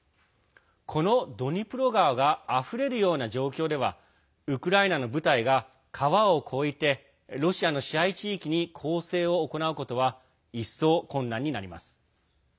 このドニプロ川があふれるような状況ではウクライナの部隊が川を越えてロシアの支配地域に攻勢を行うことは一層、困難になります。